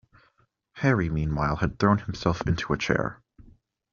Harry meanwhile had thrown himself into a chair.